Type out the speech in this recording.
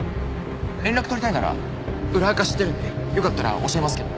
連絡取りたいなら裏アカ知ってるんでよかったら教えますけど。